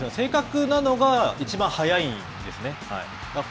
正確なのがいちばん速いんですね。